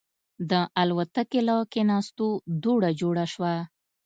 د الوتکې له کېناستو دوړه جوړه شوه.